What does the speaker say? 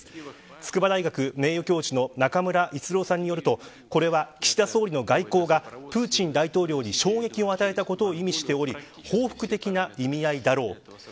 筑波大学名誉教授の中村逸郎さんによると岸田総理の外交がプーチン大統領に衝撃を与えたことを意味しており報復的な意味合いだろう。